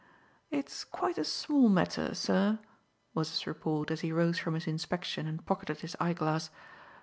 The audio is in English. "It's quite a small matter, sir," was his report, as he rose from his inspection and pocketed his eye glass.